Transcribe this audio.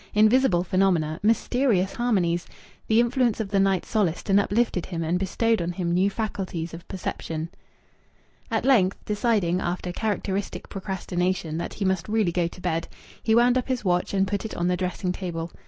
Invisible phenomena! Mysterious harmonies! The influence of the night solaced and uplifted him and bestowed on him new faculties of perception. At length, deciding, after characteristic procrastination, that he must really go to bed, he wound up his watch and put it on the dressing table.